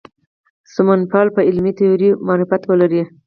سمونپال په علمي تیوریو معرفت ولري.